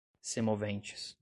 semoventes